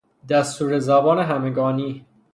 دستور زبان همگانی